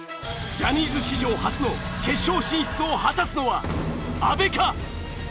ジャニーズ史上初の決勝進出を果たすのは阿部か？